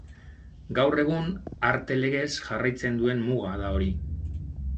Gaur egun arte legez jarraitzen duen muga da hori.